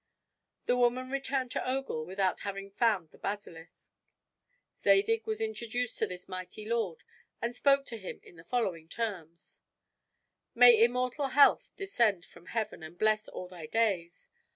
The woman returned to Ogul without having found the basilisk. Zadig was introduced to this mighty lord and spoke to him in the following terms: "May immortal health descend from heaven to bless all thy days!